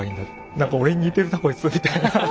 「何か俺に似てるなこいつ」みたいな。